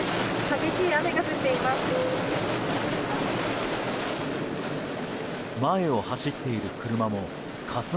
激しい雨が降っています。